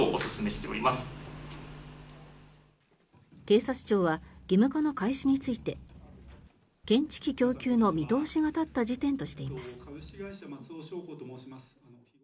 警察庁は義務化の開始について検知器供給の見通しが立った時点としています。